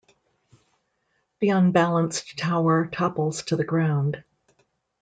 The unbalanced tower topples to the ground.